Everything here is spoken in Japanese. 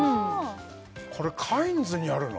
これカインズにあるの？